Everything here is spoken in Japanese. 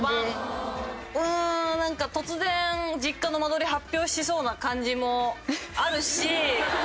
うーんなんか突然実家の間取り発表しそうな感じもあるし。